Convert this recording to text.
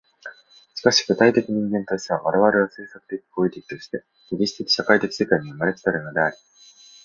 しかし具体的人間としては、我々は制作的・行為的として歴史的・社会的世界に生まれ来たるのであり、